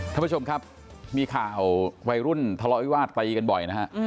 ท่านผู้ชมครับมีข่าววัยรุ่นทะเลาะวิวาสตีกันบ่อยนะฮะ